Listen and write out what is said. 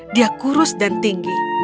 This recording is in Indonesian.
dia kurus dan tinggi